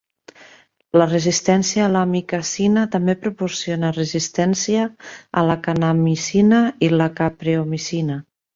La resistència a l'amikacina també proporciona resistència a la kanamicina i la capreomicina.